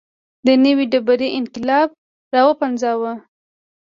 د نوې ډبرې انقلاب راوپنځاوه.